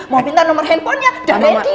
mau minta nomor handphonenya dan medik